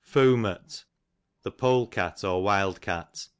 Foomurt, the pole cat, or wild cat.